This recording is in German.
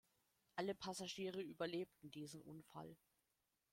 Alle Passagiere überlebten diesen Unfall.